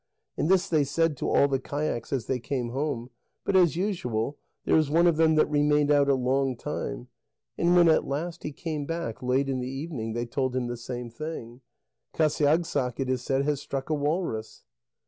And this they said to all the kayaks as they came home, but as usual, there was one of them that remained out a long time, and when at last he came back, late in the evening, they told him the same thing: "Qasiagssaq, it is said, has struck a walrus."